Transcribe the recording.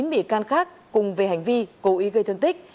một mươi chín bị can khắc cùng về hành vi cố ý gây thân tích